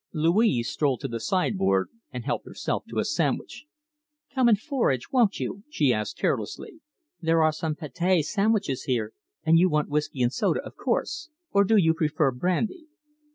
Louise strolled to the sideboard and helped herself to a sandwich. "Come and forage, won't you?" she asked carelessly. "There are some pâté sandwiches here, and you want whisky and soda, of course or do you prefer brandy?"